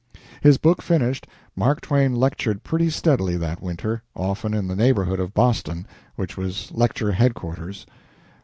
His book finished, Mark Twain lectured pretty steadily that winter, often in the neighborhood of Boston, which was lecture headquarters.